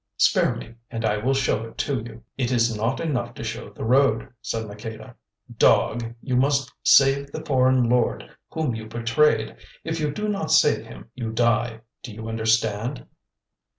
Spare me, and I will show it to you." "It is not enough to show the road," said Maqueda. "Dog, you must save the foreign lord whom you betrayed. If you do not save him you die. Do you understand?"